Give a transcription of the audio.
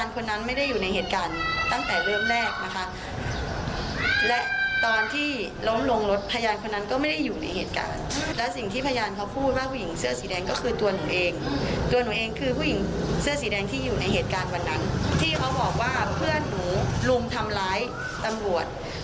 เขาบอกว่าเพื่อนหนูลุมทำร้ายตำรวจ